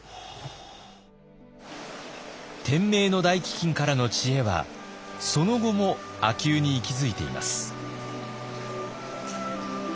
天明の大飢饉からの知恵はその後も秋保に息づいています。